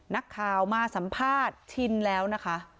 นักข่าวมาสัมภาษณ์ชินแล้วนะคะ